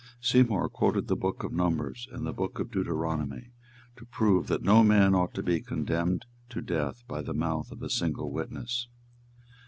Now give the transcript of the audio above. Seymour quoted the book of Numbers and the book of Deuteronomy to prove that no man ought to be condemned to death by the mouth of a single witness.